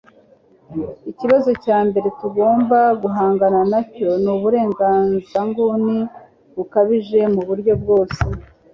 Ikibazo cya mbere tugomba guhangana nacyo ni ubuhezanguni bukabije mu buryo bwose